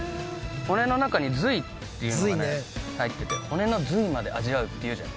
骨の中に髄っていうのがね入ってて骨の髄まで味わうって言うじゃない。